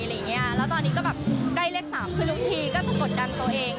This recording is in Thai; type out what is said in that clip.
แล้วตอนนี้แก้เลขสามคือลุ่มทีก็จะจดก่อนตัวเอง